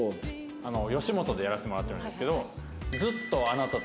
吉本でやらせてもらってるんですけど。